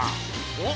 お？